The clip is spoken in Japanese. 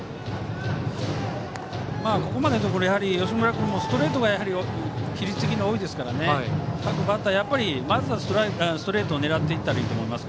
ここまでのところ吉村君、ストレートが比率的に多いですから各バッターとも、まずはストレートを狙っていったらいいと思います。